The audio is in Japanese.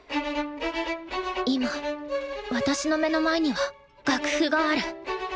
今私の目の前には楽譜がある。